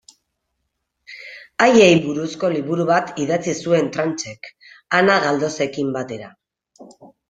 Haiei buruzko liburu bat idatzi zuen Tranchek, Ana Galdosekin batera.